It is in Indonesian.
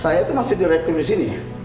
saya itu masih direktur disini